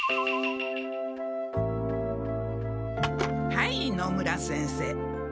はい野村先生。